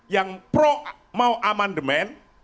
yang pro mau amandemen